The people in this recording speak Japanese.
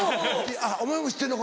あっお前も知ってんのか？